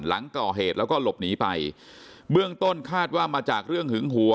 หลังก่อเหตุแล้วก็หลบหนีไปเบื้องต้นคาดว่ามาจากเรื่องหึงหัว